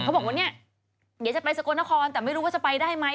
เขาบอกว่าอย่าจะไปสกลนครแต่ไม่รู้ว่าจะไปได้ไหม